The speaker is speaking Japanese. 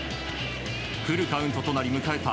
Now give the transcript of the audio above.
フルカウントとなり迎えた